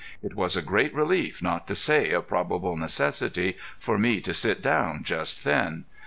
It was a great relief, not to say a probable necessity, for me to sit down just then.